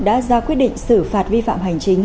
đã ra quyết định xử phạt vi phạm hành chính